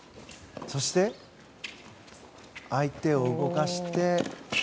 そして相手を動かして。